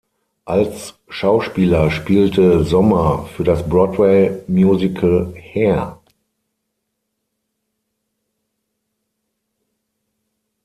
Als Schauspieler spielte Sommer für das Broadway-Musical "Hair".